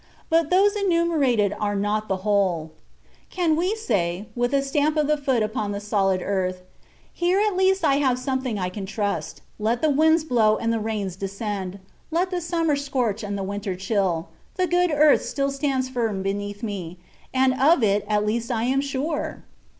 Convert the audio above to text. But those enumerated are not the whole. Can we say, with a stamp of the foot upon the solid earth, "Here at least I have something I can trust; let the winds blow and the rains descend, let the summer scorch and the winter chill, the good earth still stands firm beneath me, and of it at least I am sure?"